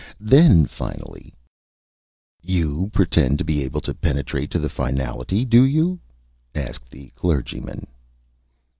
Then, finally " "You pretend to be able to penetrate to the finality, do you?" asked the Clergyman.